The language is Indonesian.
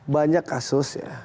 banyak kasus ya